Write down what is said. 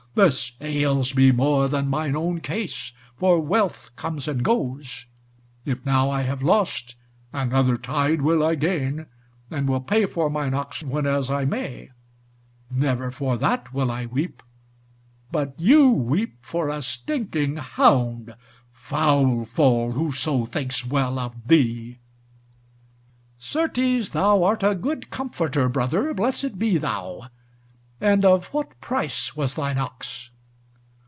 This ails me more than mine own case, for wealth comes and goes; if now I have lost, another tide will I gain, and will pay for mine ox whenas I may; never for that will I weep. But you weep for a stinking hound. Foul fall whoso thinks well of thee!" "Certes thou art a good comforter, brother, blessed be thou! And of what price was thine ox?"